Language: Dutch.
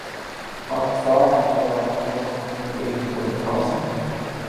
Mag ik vragen wanneer wij een antwoord op genoemde brieven kunnen verwachten?